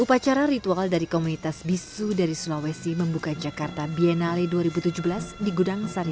upacara ritual dari komunitas bisu dari sulawesi membuka jakarta biennale dua ribu tujuh belas di gudang sani